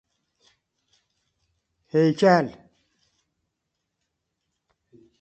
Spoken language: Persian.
هیکل